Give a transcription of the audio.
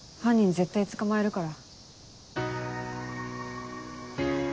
絶対捕まえるから。